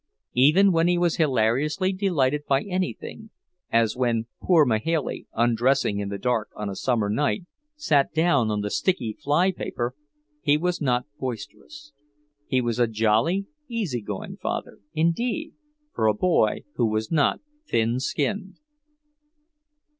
Even when he was hilariously delighted by anything, as when poor Mahailey, undressing in the dark on a summer night, sat down on the sticky fly paper, he was not boisterous. He was a jolly, easy going father, indeed, for a boy who was not thin skinned.